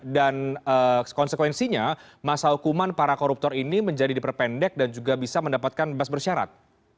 dan konsekuensinya masa hukuman para koruptor ini menjadi diperpendek dan juga bisa mendapatkan bebas bersyarat